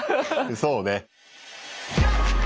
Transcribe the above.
そうね。